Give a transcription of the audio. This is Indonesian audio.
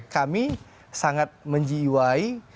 kami sangat menjiwai